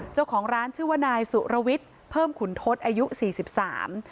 เจ้าของร้านชื่อว่านายสุรวิทย์เพิ่มขุนทศอายุสี่สิบสาม